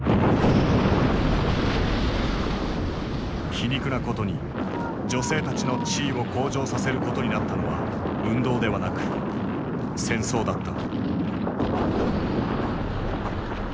皮肉なことに女性たちの地位を向上させることになったのは運動ではなく戦争だった。